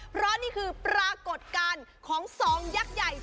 เพราะนี่คือปรากฏการณ์ของ๒ยักษ์ใหญ่